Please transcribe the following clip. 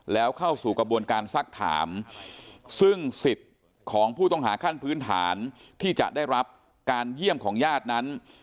แล้วเข้าสู่กระบวนการซักถามซึ่งสิทธิ์ของผู้ต้องหาขั้นพื้นฐานที่จะได้รับการเยี่ยมของญาตินั้น